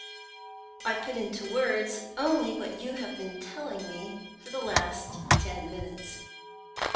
I put into words only what you have been telling me for the last ten minutes."